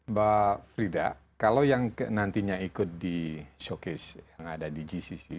mbak frida kalau yang nantinya ikut di showcase yang ada di gcc